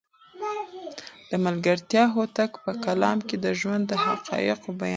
د ملکیار هوتک په کلام کې د ژوند د حقایقو بیان شوی دی.